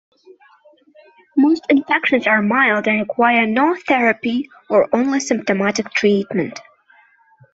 Most infections are mild and require no therapy or only symptomatic treatment.